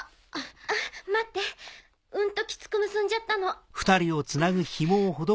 待ってうんとキツく結んじゃったの。